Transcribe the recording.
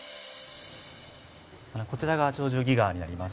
こちらが「鳥獣戯画」になります。